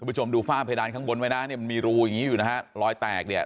คุณผู้ชมดูฝ้าเพดานข้างบนไว้นะมีรูอย่างนี้อยู่นะฮะลอยแตกเนี่ย